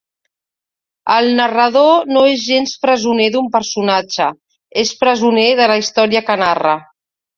El narrador no és gens presoner d'un personatge, és presoner de la història que narra.